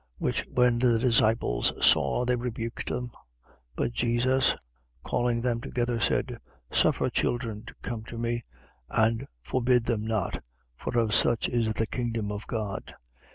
Which when the disciples saw, they rebuked them. 18:16. But Jesus, calling them together, said: Suffer children to come to me and forbid them not: for of such is the kingdom of God.